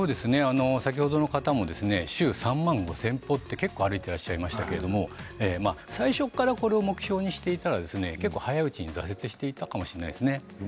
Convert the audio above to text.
先ほどの方も週３万５０００歩って結構歩いていらっしゃいましたけれども最初からこれを目標にしていたら結構早いうちに挫折していたかもしれませんね。